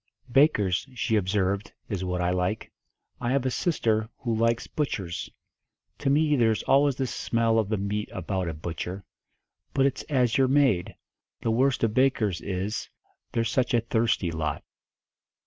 "Bakers," she observed, "is what I like. I have a sister who likes butchers. To me there's always the smell of the meat about a butcher. But it's as you're made. The worst of bakers is, they're such a thirsty lot."